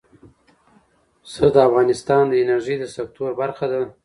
پسه د افغانستان د انرژۍ د سکتور برخه ده.